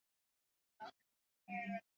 hali ya dunia inavyoenda na mwelekeza tunaohitaji